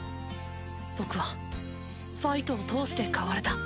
僕はファイトを通して変われた。